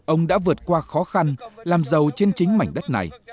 ông đã vượt qua khó khăn làm giàu trên chính mảnh đất này